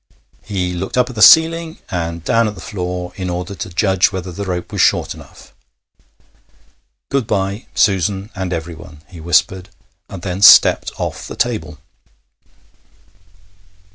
He looked up at the ceiling and down at the floor in order to judge whether the rope was short enough. 'Good bye, Susan, and everyone,' he whispered, and then stepped off the table.